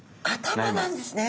頭なんですね！